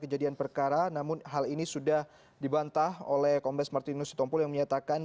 kejadian perkara namun hal ini sudah dibantah oleh kombes martinus sitompul yang menyatakan